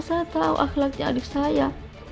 saya tahu akhlaknya adik saya